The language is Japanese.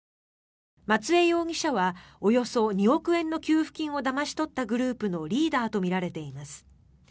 松江容疑者はおよそ２億円の給付金をだまし取ったグループのリーダーとみられています。